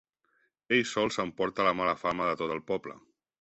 Ell sol s'emporta la mala fama de tot el poble.